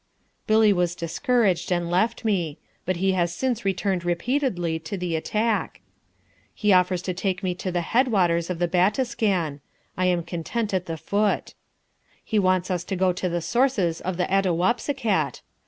Billy was discouraged and left me. But he has since returned repeatedly to the attack. He offers to take me to the head waters of the Batiscan. I am content at the foot. He wants us to go to the sources of the Attahwapiscat.